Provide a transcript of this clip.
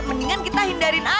mendingan kita hindarin aja